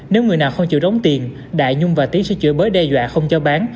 nếu người nào không chịu đóng tiền đại nhung và tiến sẽ chửi bới đe dọa không cho bán